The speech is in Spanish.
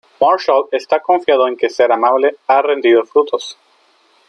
Marshall está confiado en que ser amable ha rendido frutos.